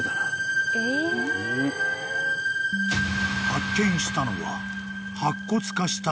［発見したのは］